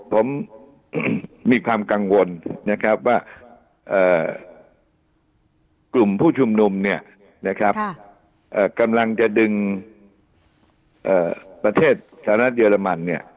ผมมีความกังวลว่ากลุ่มผู้ชุมนุมกำลังจะดึงประเทศสหรัฐเยอรมัน